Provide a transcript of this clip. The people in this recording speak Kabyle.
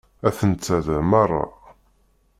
Atent-a da merra.